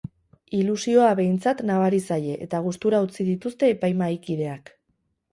Ilusioa behintzat nabari zaie eta gustura utzi dituzte epaimahaikideak.